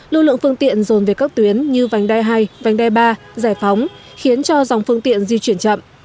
lưu lượng phương tiện dồn về các tuyến như vành đai hai vành đai ba giải phóng khiến cho dòng phương tiện di chuyển chậm